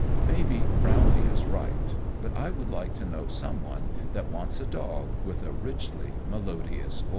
Maybe Brownlee is right, but I would like to know some one that wants a dog with a richly melodious voice.